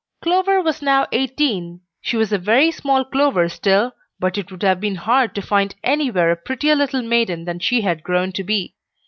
Clover was now eighteen. She was a very small Clover still, but it would have been hard to find anywhere a prettier little maiden than she had grown to be.